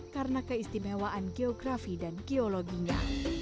karena keistimewaan geografi dan geologinya